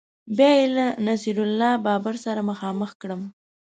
بیا یې له نصیر الله بابر سره مخامخ کړم